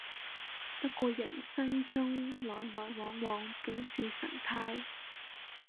不過人生中來來往往本是常態